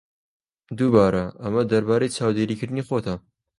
دووبارە، ئەمە دەربارەی چاودێریکردنی خۆتە.